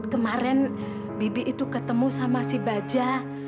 kemarin bibi itu ketemu sama si baja